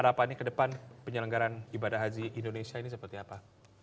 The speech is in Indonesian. harapannya ke depan penyelenggaran ibadah haji indonesia ini seperti apa